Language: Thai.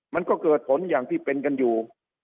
มันก็เกิดผลอย่างที่เป็นกันอยู่